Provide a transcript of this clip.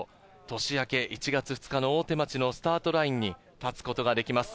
年明け、１月２日の大手町のスタートラインに立つことができます。